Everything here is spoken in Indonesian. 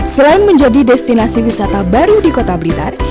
selain menjadi destinasi wisata baru di kota blitar